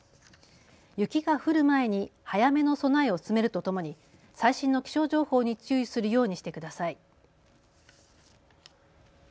雪が降る前に早めの備えを進めるとともに最新の気象情報に注意するようにしてください。